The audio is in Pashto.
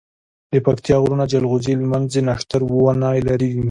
دپکتيا غرونه جلغوزي، لمنځی، نښتر ونی لری